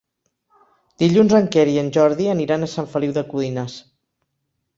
Dilluns en Quer i en Jordi aniran a Sant Feliu de Codines.